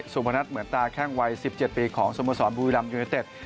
พนัทเหมือนตาแข้งวัย๑๗ปีของสโมสรบุรีรัมยูเนเต็ด